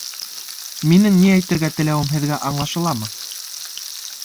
Минең ни әйтергә теләүем һеҙгә аңлашыламы?